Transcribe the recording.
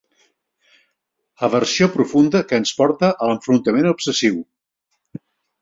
Aversió profunda que ens porta a l'enfrontament obsessiu.